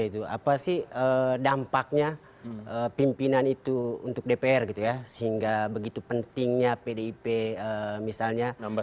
itu apa sih dampaknya pimpinan itu untuk dpr gitu ya sehingga begitu pentingnya pdip misalnya